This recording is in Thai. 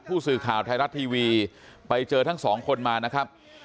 ผู้สื่อข่าวไทยรัฐทีวีไปเจอทั้งสองคนมานะครับ